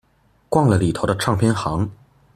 逛了裏頭的唱片行